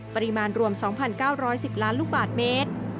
ปริมาณรวม๒๙๑๐ล้านลูกบาทเมตร